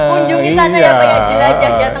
kunjungi sana ya pak agung